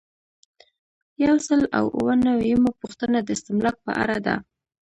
یو سل او اووه نوي یمه پوښتنه د استملاک په اړه ده.